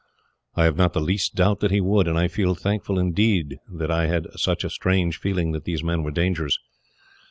"I have not the least doubt that he would, and I feel thankful, indeed, that I had such a strange feeling that these men were dangerous.